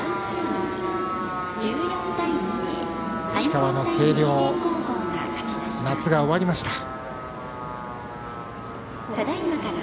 石川の星稜、夏が終わりました。